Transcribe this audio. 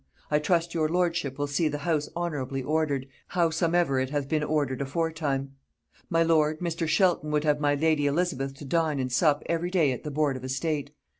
I trust your lordship will see the house honourably ordered, howsomever it hath been ordered aforetime. "My lord, Mr. Shelton would have my lady Elizabeth to dine and sup every day at the board of estate.